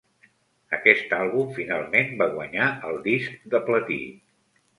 Aquest àlbum finalment va guanyar el disc de platí.